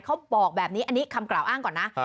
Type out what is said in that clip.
เขาบอกแบบนี้อันนี้คำกล่าวอ้างก่อนนะ